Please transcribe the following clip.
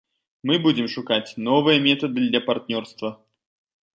Мы будзем шукаць новыя метады для партнёрства.